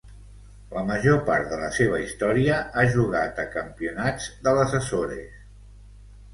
La major part de la seva història ha jugat a campionats de les Açores.